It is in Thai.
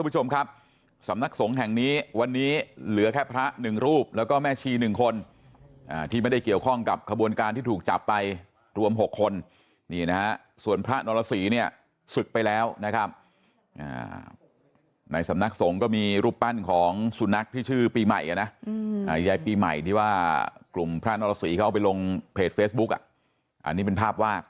คุณผู้ชมครับสำนักสงฆ์แห่งนี้วันนี้เหลือแค่พระหนึ่งรูปแล้วก็แม่ชีหนึ่งคนที่ไม่ได้เกี่ยวข้องกับขบวนการที่ถูกจับไปรวม๖คนนี่นะฮะส่วนพระนรสีเนี่ยศึกไปแล้วนะครับในสำนักสงฆ์ก็มีรูปปั้นของสุนัขที่ชื่อปีใหม่นะยายปีใหม่ที่ว่ากลุ่มพระนรสีเขาเอาไปลงเพจเฟซบุ๊กอ่ะอันนี้เป็นภาพวาด